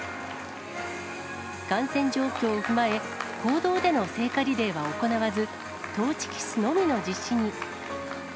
感染状況を踏まえ、公道での聖火リレーは行わず、トーチキスのみの実施に。